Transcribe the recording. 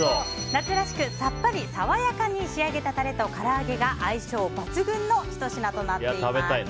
夏らしくさっぱり爽やかに仕上げたタレとから揚げが相性抜群のひと品となっています。